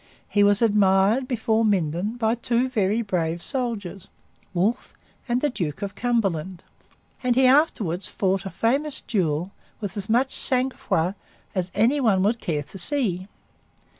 He was admired, before Minden, by two very brave soldiers, Wolfe and the Duke of Cumberland. And he afterwards fought a famous duel with as much sang froid as any one would care to see.